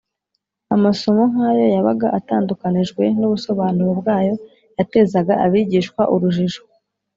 amasomo nk’ayo, yabaga atandukanijwe n’ubusobanuro bwayo, yatezaga abigishwa urujijo,